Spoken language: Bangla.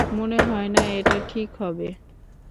মনে হয় না এটা ঠিক হবে।